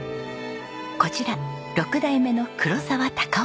こちら６代目の黒澤孝夫さんです。